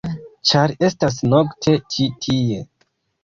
ĉar estas nokte ĉi tie-.